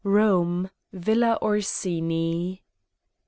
Eome, Villa Orsini.